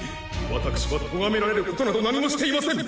私はとがめられることなど何もしていません